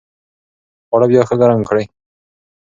خواړه بیا ښه ګرم کړئ.